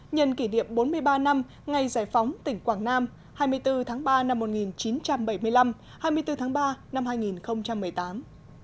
nhân kỷ niệm bốn mươi ba năm ngày giải phóng tỉnh quảng nam hai mươi bốn tháng ba năm một nghìn chín trăm bảy mươi năm hai mươi bốn tháng ba năm hai nghìn một mươi tám